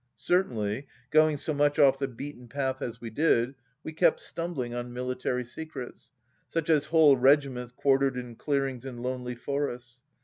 ... Certainly, going so much oft the beaten path as we did, we kept stum bling on military secrets, such as whole regiments quartered in clearings in lonely forests.